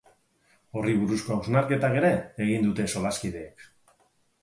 Horri buruzko haunsarketa ere egin dute solaskideek.